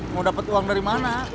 mau dapat uang dari mana